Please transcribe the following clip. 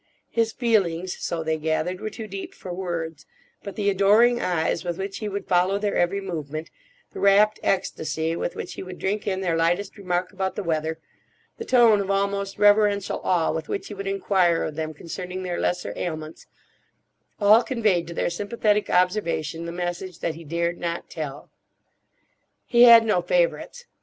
His feelings, so they gathered, were too deep for words; but the adoring eyes with which he would follow their every movement, the rapt ecstasy with which he would drink in their lightest remark about the weather, the tone of almost reverential awe with which he would enquire of them concerning their lesser ailments—all conveyed to their sympathetic observation the message that he dared not tell. He had no favourites.